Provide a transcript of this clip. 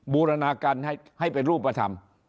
บูรณาการให้เป็นรูปธรรม